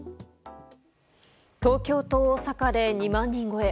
東京と大阪で２万人超え。